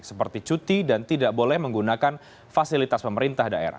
seperti cuti dan tidak boleh menggunakan fasilitas pemerintah daerah